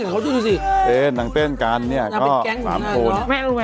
โปรดติดตามต่อไป